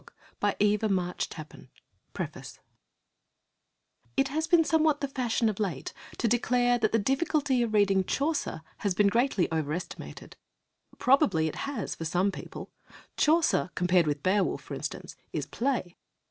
Ht} TftOew FOUHfJATtOm T (preface IT has been somewhat the fashion of late to declare that the difficulty of reading Chaucer has been greatly overestimated. Probably it has — for some peo ple. Chaucer, compared with Beowulf, for instance, is play.